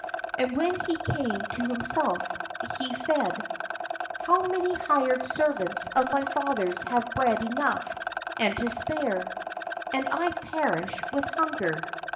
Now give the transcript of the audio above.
And when he came to himself, he said: "How many hired ser vants of my father's have bread enough, and to spare, and I perish with hunger!